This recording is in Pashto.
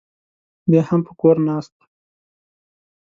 بیا هم په کور ناست دی.